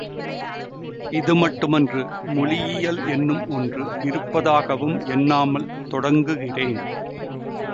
இது மட்டுமன்று மொழியியல் என்னும் ஒன்று இருப்பதாகவும் எண்ணாமல் தொடங்குகிறேன்.